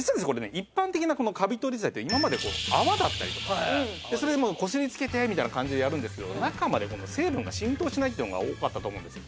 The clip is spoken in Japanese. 一般的なカビ取り剤って今まで泡だったりとかそれでこすりつけてみたいな感じでやるんですけど中まで成分が浸透しないっていうのが多かったと思うんですよ。